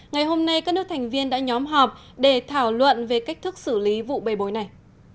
ngày hôm nay các nước thành viên đã nhóm họp để thảo luận về cách thức xử lý vụ bê bối này